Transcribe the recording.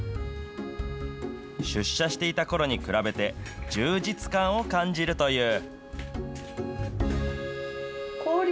出社していたころに比べて、充実感を感じるという。